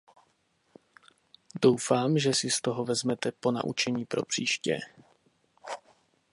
Doufám, že si z toho vezmete ponaučení pro příště.